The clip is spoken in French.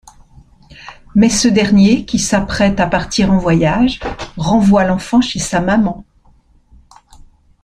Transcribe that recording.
Mais ce dernier, qui s'apprête à partir en voyage, renvoie l'enfant chez sa maman.